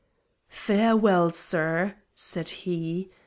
"Farewell, sir," said he.